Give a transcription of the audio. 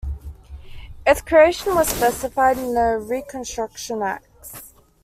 Its creation was specified in the Reconstruction Acts.